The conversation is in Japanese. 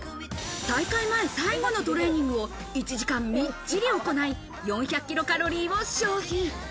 大会前最後のトレーニングを１時間みっちり行い、４００キロカロリーを消費。